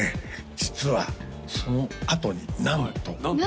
実はそのあとになんとなんと？